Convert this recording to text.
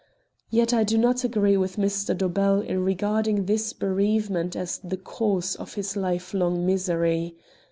Yet I do not agree with Mr. Dobell in regarding this bereavement as the cause of his life long misery.